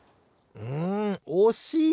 んおしい！